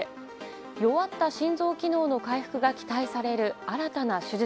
弱った心臓機能の回復が期待される新たな手術。